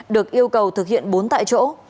được yêu cầu thực hiện bốn tại chỗ